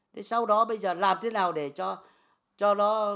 thế sau đó bây giờ làm thế nào để cho nó